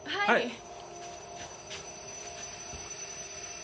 はい。